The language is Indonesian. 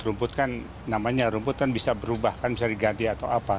rumput kan namanya rumput kan bisa berubah kan bisa diganti atau apa